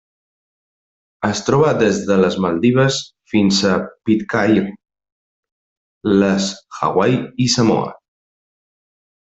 Es troba des de les Maldives fins a Pitcairn, les Hawaii i Samoa.